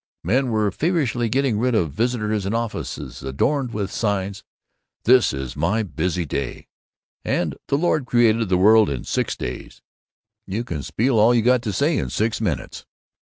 Men were feverishly getting rid of visitors in offices adorned with the signs, "This Is My Busy Day" and "The Lord Created the World in Six Days You Can Spiel All You Got to Say in Six Minutes."